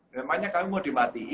memangnya kami mau dimatikan